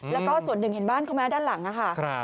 แล้วก็ส่วนหนึ่งเห็นบ้านเขาไหมด้านหลังค่ะ